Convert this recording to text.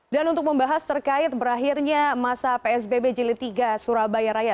dan untuk membahas terkait berakhirnya masa psbb jelitiga surabaya raya